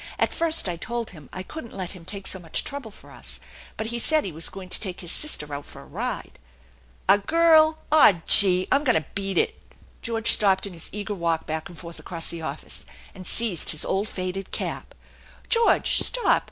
"At first I told him I couldn't let him take so much trouble for us, but he said he was going to take his sister out for a ride " "A girl ! Aw, gee ! I'm going to beat it !" George stopped in his eager walk back and forth across the office, and seized his old faded cap. " George, stop